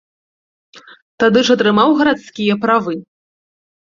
Тады ж атрымаў гарадскія правы.